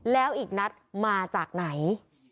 แล้วอีกนัดมาจากไหน